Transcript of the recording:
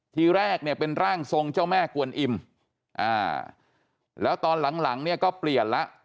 ทีแรกเนี่ยเป็นร่างทรงเจ้าแม่กวนอิ่มอ่าแล้วตอนหลังหลังเนี่ยก็เปลี่ยนแล้ว